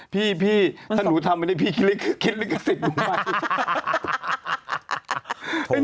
พี่ถ้าหนูทำอันนี้พี่คิดเรื่องกฤษดูมาก